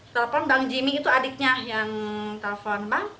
telepon bang jimmy itu adiknya yang telepon bang